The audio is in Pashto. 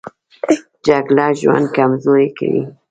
جګړه ژوند کمزوری کوي